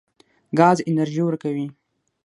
ګاز انرژي ورکوي.